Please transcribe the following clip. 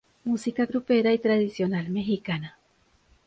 Música grupera y tradicional mexicana.